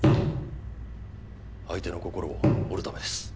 相手の心を折るためです。